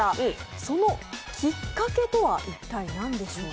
そのきっかけとは一体、何でしょうか？